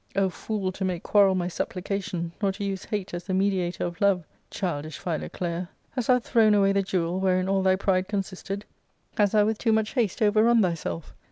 O fool to make quarrel my supplication, or to use hate as the mediator of love ! Childish Philoclea, hast thou thrown away the jewel wherein all thy pride consisted ? hast thou with too much haste overrun thyself?"